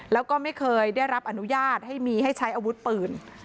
แล้วก็ไม่เคยได้รับอนุญาตให้มีให้ใช้อาวุธปืน